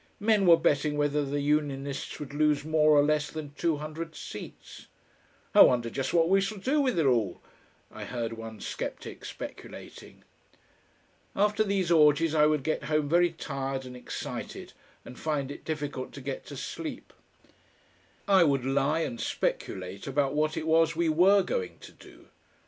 Men were betting whether the Unionists would lose more or less than two hundred seats. "I wonder just what we shall do with it all," I heard one sceptic speculating.... After these orgies I would get home very tired and excited, and find it difficult to get to sleep. I would lie and speculate about what it was we WERE going to do.